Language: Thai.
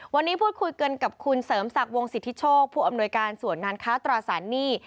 วันนี้พูดคุยกันกับคุณเสริมศักดิ์วงสิทธิโชคผู้อำนวยการส่วนงานค้าตราสารหนี้